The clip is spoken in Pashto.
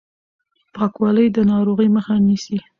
پاکوالی د ناروغۍ مخه نيسي.